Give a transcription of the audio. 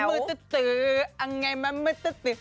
มือตื๊ดตื๊ออังไงมะมือตื๊ดตื๊อ